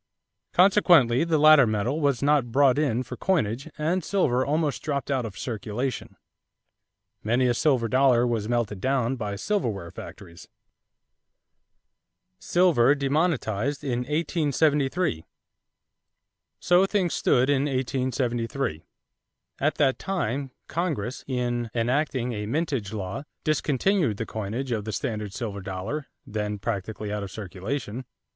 Consequently the latter metal was not brought in for coinage and silver almost dropped out of circulation. Many a silver dollar was melted down by silverware factories. =Silver Demonetized in 1873.= So things stood in 1873. At that time, Congress, in enacting a mintage law, discontinued the coinage of the standard silver dollar, then practically out of circulation.